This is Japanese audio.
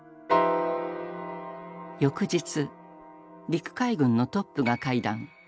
翌日陸海軍のトップが会談。